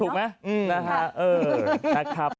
ถูกไหมนะครับ